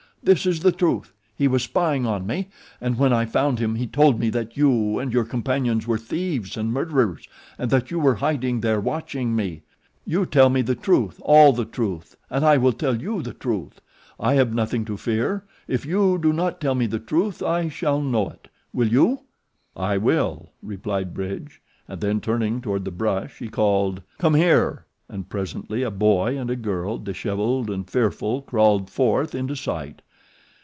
"That is the truth. He was spying on me, and when I found him he told me that you and your companions were thieves and murderers and that you were hiding there watching me. You tell me the truth, all the truth, and I will tell you the truth. I have nothing to fear. If you do not tell me the truth I shall know it. Will you?" "I will," replied Bridge, and then turning toward the brush he called: "Come here!" and presently a boy and a girl, dishevelled and fearful, crawled forth into sight.